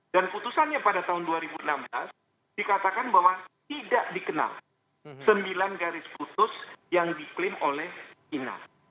dan putusannya pada tahun dua ribu enam belas dikatakan bahwa tidak dikenal sembilan garis putus yang diklaim oleh china